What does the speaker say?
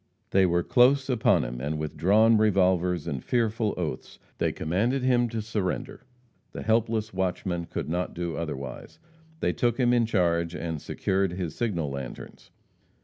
They were close upon him, and with drawn revolvers and fearful oaths they commanded him to surrender. The helpless watchman could not do otherwise. They took him in charge and secured his signal lanterns.